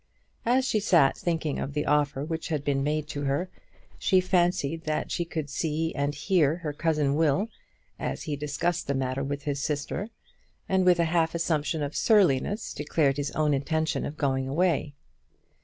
As she sat thinking of the offer which had been made to her she fancied that she could see and hear her cousin Will as he discussed the matter with his sister, and with a half assumption of surliness declared his own intention of going away.